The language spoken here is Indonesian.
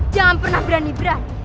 jangan pernah berani berani